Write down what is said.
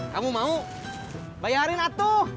kamu mau bayarin atu